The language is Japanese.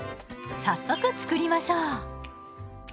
早速作りましょう。